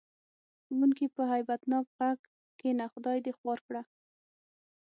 ښوونکي په هیبت ناک غږ: کېنه خدای دې خوار کړه.